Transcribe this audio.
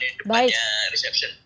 depan depannya depannya reception